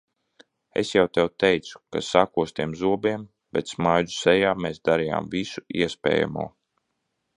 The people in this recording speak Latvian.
Es jau tev teicu, ka sakostiem zobiem, bet smaidu sejā mēs darījām visu iespējamo.